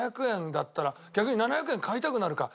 逆に７００円買いたくなるか。